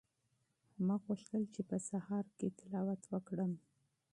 ما غوښتل چې په سهار کې تلاوت وکړم.